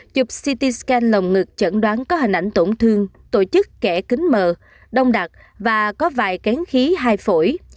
chụp ct scan lồng ngực chẩn đoán có hình ảnh tổn thương tổ chức kẻ kính mờ đong đặt và có vài kén khí hai phổi